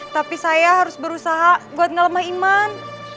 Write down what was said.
tapi saya harus berusaha buat ngelemah iman